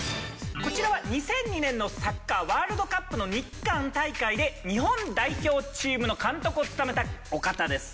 こちらは２００２年のサッカーワールドカップの日韓大会で日本代表チームの監督を務めたお方です。